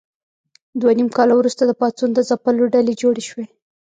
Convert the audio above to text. دوه نیم کاله وروسته د پاڅون د ځپلو ډلې جوړې شوې.